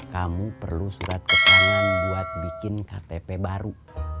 kamu perlu surat keterangan buat bikin ktp baru